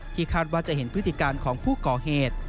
คาดว่าจะเห็นพฤติการของผู้ก่อเหตุ